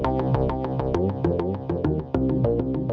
menakut sekali kamu tuh